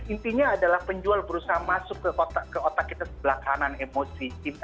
intinya adalah penjual berusaha masuk ke otak kita sebelah kanan emosi